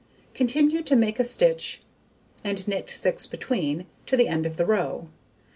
Continue to make a stitch, and knit 6 between, to the end of the row.